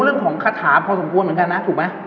เรื่องของคาถาพอสมควรเหมือนกันนะถูกไหม